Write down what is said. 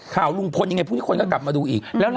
ข่าวลุงพลยังไงพรุ่งนี้คนก็กลับมาดูอีก